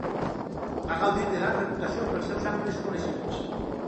Va gaudir de gran reputació pels seus amplis coneixements.